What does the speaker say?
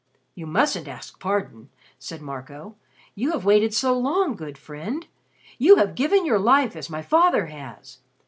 "You mustn't ask pardon," said Marco. "You have waited so long, good friend. You have given your life as my father has.